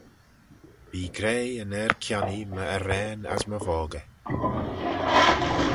Bee graih yn er-kionnee my arrane as my voggey.